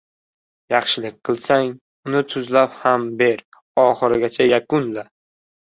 • Yaxshilik qilsang, uni tuzlab ham ber- oxirigacha yakunla